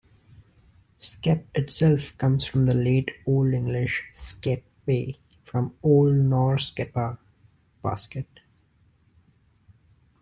'Skep' itself comes from the Late Old English "sceppe", from Old Norse skeppa 'basket'.